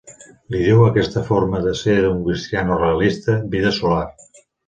Li diu a aquesta forma de ser un cristià no realista: "vida solar".